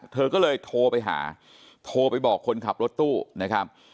เธอก็เลยโทรไปหาโทรไปบอกคนขับรถตู้นะครับ